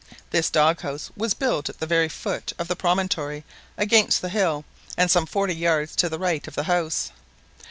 This doghouse was built at the very foot of the promontory, against the hill, and about forty yards to the right of the house.